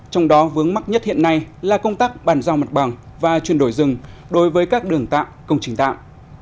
trong đó vướng mắc nhất hiện nay là công tác bàn giao mặt bằng và chuyển đổi rừng đối với các đường tạm công trình tạm